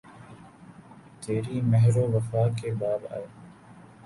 تیری مہر و وفا کے باب آئے